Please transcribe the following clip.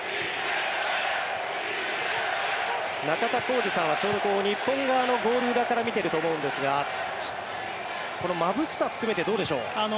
中田浩二さんはちょうど日本側のゴール裏から見ていると思うんですがこのまぶしさ含めてどうでしょう？